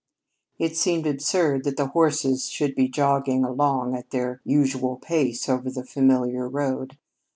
It seemed absurd that the horses should be jogging along at their usual pace over the familiar road.